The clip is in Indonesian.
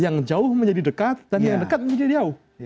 yang jauh menjadi dekat dan yang dekat menjadi jauh